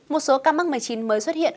một số ca mắc covid một mươi chín mới xuất hiện